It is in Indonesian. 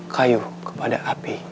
kayu kepada api